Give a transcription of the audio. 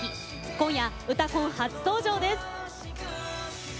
今夜「うたコン」初登場です。